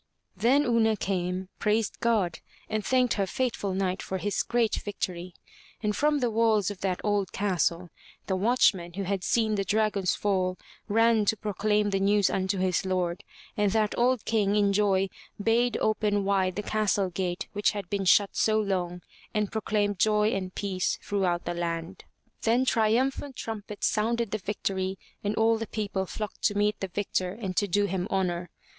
Then Una came, praised God, and thanked her faithful Knight for his great victory. And from the walls of that old 47 MY BOOK HOUSE castle, the watchman who had seen the dragon's fall, ran to pro claim the news unto his lord, and that old King in joy, bade open wide the Castle gate which had been shut so long, and proclaimed joy and peace throughout the land. Then triumphant trumpets sounded the victory and all the people flocked to meet the victor and to do him honor.